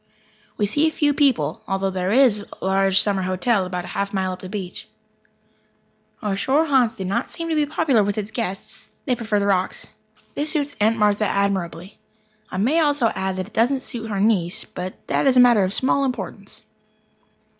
We see few people, although there is a large summer hotel about a mile up the beach. Our shore haunts do not seem to be popular with its guests. They prefer the rocks. This suits Aunt Martha admirably. I may also add that it doesn't suit her niece but that is a matter of small importance.